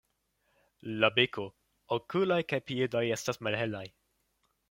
La beko, okuloj kaj piedoj estas malhelaj.